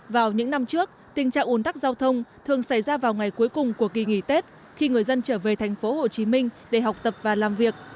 vào những năm trước tình trạng ủn tắc giao thông thường xảy ra vào ngày cuối cùng của kỳ nghỉ tết khi người dân trở về thành phố hồ chí minh để học tập và làm việc